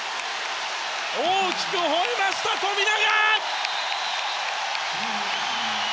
大きくほえた富永！